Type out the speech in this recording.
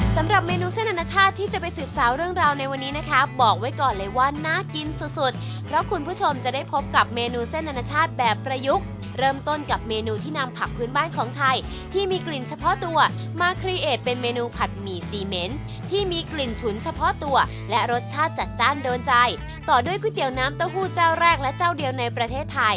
สำหรับเมนูเส้นอนาชาติที่จะไปสืบสาวเรื่องราวในวันนี้นะครับบอกไว้ก่อนเลยว่าน่ากินสุดแล้วคุณผู้ชมจะได้พบกับเมนูเส้นอนาชาติแบบประยุกต์เริ่มต้นกับเมนูที่นำผักพื้นบ้านของไทยที่มีกลิ่นเฉพาะตัวมาครีเอทเป็นเมนูผัดหมี่ซีเม้นที่มีกลิ่นฉุนเฉพาะตัวและรสชาติจัดจ้านโดนใจต่อด้